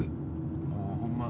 もうホンマ